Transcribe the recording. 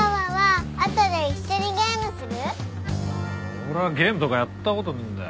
俺はゲームとかやった事ねえんだよ。